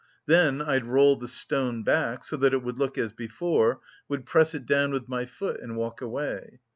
Then I'd roll the stone back so that it would look as before, would press it down with my foot and walk away.